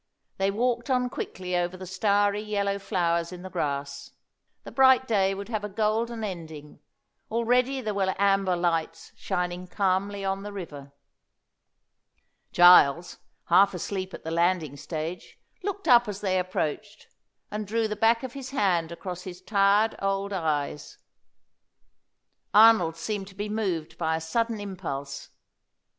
They walked on quickly over the starry yellow flowers in the grass. The bright day would have a golden ending; already there were amber lights shining calmly on the river. Giles, half asleep at the landing stage, looked up as they approached, and drew the back of his hand across his tired old eyes. Arnold seemed to be moved by a sudden impulse.